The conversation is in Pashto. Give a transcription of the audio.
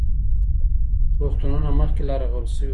روغتونونه مخکې لا رغول سوي وو.